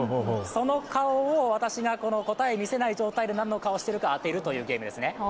その顔を私が答えを見せない状態で何の顔をしているか当てるというゲームですね。